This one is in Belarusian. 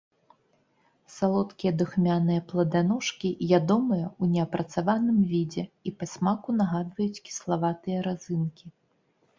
Салодкія духмяныя пладаножкі ядомыя ў неапрацаваным відзе і па смаку нагадваюць кіславатыя разынкі.